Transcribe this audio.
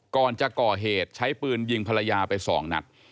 ก่อนจะก่อเหตุใช้ปืนยิงภรรยาไปสองนัด